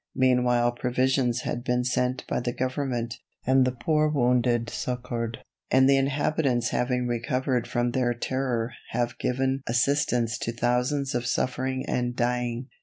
Meanwhile provisions had been sent by the Government, and the poor wounded succored, and the inhabitants having recovered from their terror have given assistance to thousands of suffering and dying.